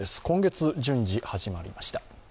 今月、順次始まりました。